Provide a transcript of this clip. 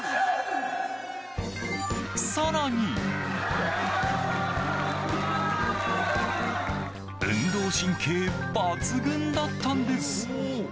更に運動神経抜群だったんです。